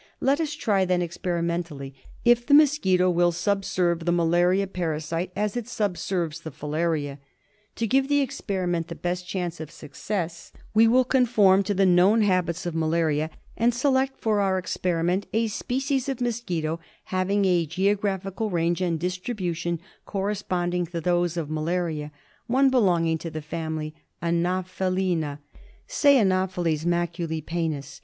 Let us try then, experimentally, if the mosquito will subserve the ma laria parasite as it subserves the AnopMts Moaqoiio. .~. filaria. To give the experiment the best chance of success we will conform to the known habits of malaria, and select for our experi ment a species of mosquito having a geographical range and distribution corresponding to those of malaria, one belonging to the family Anophelina — say, Anopheles macu lipennis.